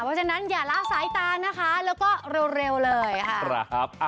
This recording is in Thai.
เพราะฉะนั้นอย่าละสายตานะคะแล้วก็เร็วเลยค่ะ